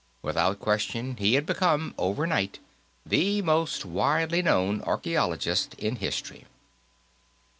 Without question, he had become, overnight, the most widely known archaeologist in history.